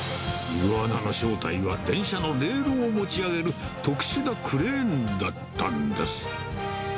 イグアナの正体は、電車のレールを持ち上げる、特殊なクレーンだったんです。